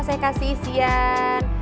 saya kasih isian